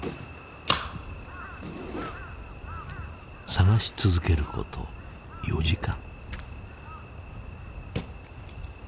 探し続けること４時間。